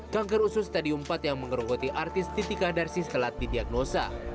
kanker usus stadium empat yang mengerogoti artis titika darsis telat didiagnosa